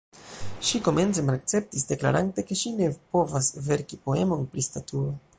Ŝi komence malakceptis, deklarante ke ŝi ne povas verki poemon pri statuo.